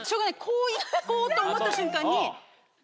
こう行こうと思った瞬間に。